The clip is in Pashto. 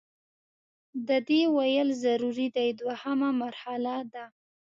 د دې ویل ضروري دي دوهمه مرحله ده.